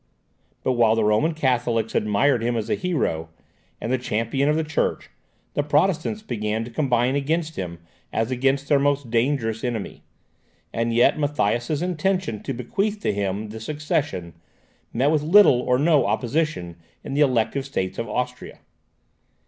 But, while the Roman Catholics admired him as a hero, and the champion of the church, the Protestants began to combine against him as against their most dangerous enemy. And yet Matthias's intention to bequeath to him the succession, met with little or no opposition in the elective states of Austria.